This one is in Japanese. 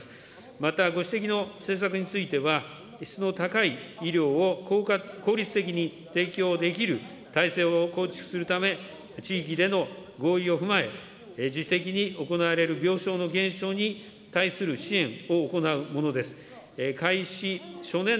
またご指摘の政策については、質の高い医療を効率的に提供できる体制を構築するため、地域での合意を踏まえ、実績に行われる病床の減少に対する支援を行うものです。